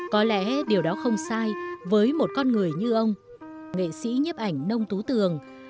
có lẽ điều đó không sai với một con người như ông nghệ sĩ nhấp ảnh nông tú tường